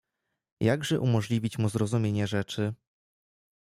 "Jakże umożliwić mu zrozumienie rzeczy?"